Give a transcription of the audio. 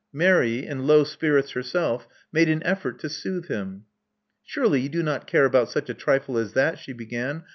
Mary, in low spirits herself, made an effort to soothe him. *' Surely you do not care about such a trifle as that," she began.